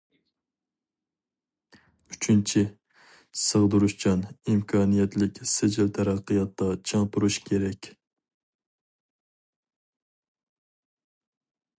ئۈچىنچى، سىغدۇرۇشچان، ئىمكانىيەتلىك سىجىل تەرەققىياتتا چىڭ تۇرۇش كېرەك.